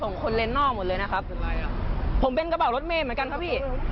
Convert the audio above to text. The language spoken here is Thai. มันไม่ใช่ที่จอดพี่ป้ายรถเมครับ